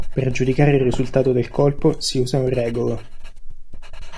Per giudicare il risultato del colpo, si usa un regolo.